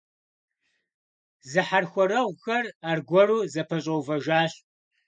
Зэхьэрхуэрэгъухэр аргуэру зэпэщӀэувэжащ.